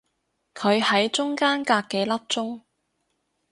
佢係中間隔幾粒鐘